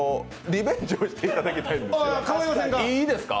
リベンジをしていただきたいんですが、いいですか？